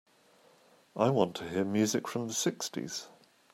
I want to hear music from the sixties.